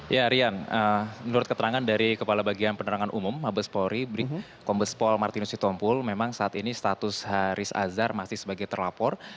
ya rian menurut keterangan dari kepala bagian penerangan umum mabes polri kombespol martinus sitompul memang saat ini status haris azhar masih sebagai terlapor